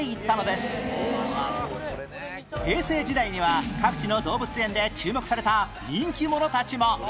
平成時代には各地の動物園で注目された人気者たちも